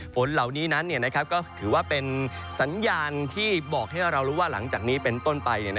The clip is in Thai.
ฝนเหล่านี้นั้นก็ถือว่าเป็นสัญญาณที่บอกให้เรารู้ว่าหลังจากนี้เป็นต้นไป